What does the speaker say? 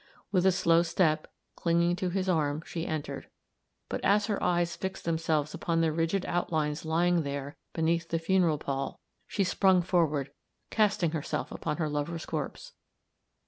With a slow step, clinging to his arm, she entered; but as her eyes fixed themselves upon the rigid outlines lying there beneath the funeral pall, she sprung forward, casting herself upon her lover's corpse.